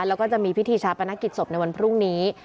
แล้วก็จะมีพิธีชาปนกิจศพในวันพรุ่งนี้